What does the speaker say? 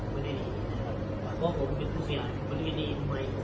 ไม่ได้ดีนะครับคุณผู้ชายก็ไม่ได้ดีที่ทำไม